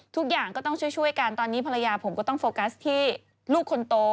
ทุกอย่างก็ต้องช่วยกันตอนนี้ภรรยาผมก็ต้องโฟกัสที่ลูกคนโต